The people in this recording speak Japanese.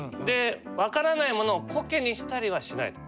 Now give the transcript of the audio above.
分からないものをこけにしたりはしないと。